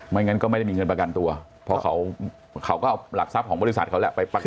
ไม่งั้นก็ไม่มีเงินประกันตัวพอเขาเขาก็หลักทรัพย์ของบริษัทเขาละ